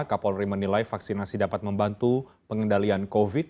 kapolri menilai vaksinasi dapat membantu pengendalian covid sembilan belas